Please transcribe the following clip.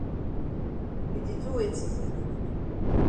You di do weti?